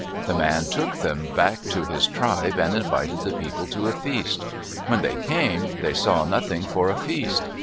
The man took them back to his tribe and invited the people to a feast. When they came, they saw nothing for a feast.